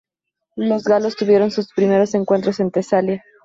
Los galos tuvieron sus primeros encuentros en Tesalia.